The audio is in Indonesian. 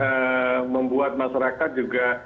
membuat masyarakat juga membuat masyarakat juga